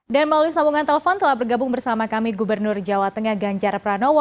dan melalui sambungan telepon telah bergabung bersama kami gubernur jawa tengah ganjar pranowo